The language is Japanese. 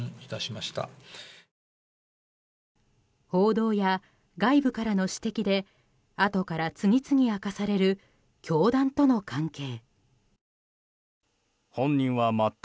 報道や外部からの指摘であとから次々明かされる教団との関係。